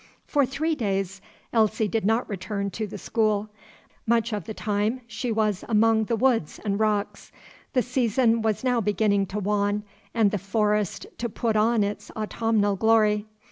For three days Elsie did not return to the school. Much of the time she was among the woods and rocks. The season was now beginning to wane, and the forest to put on its autumnal glory.